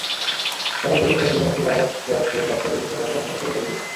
সকাল থেকেই টঙ্গী অভিমুখী বাস, ট্রাক, ট্রেন, লঞ্চসহ বিভিন্ন যানবাহনে মুসল্লিদের ভিড়।